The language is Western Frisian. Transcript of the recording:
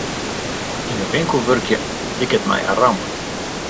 Yn in winkel wurkje liket my in ramp.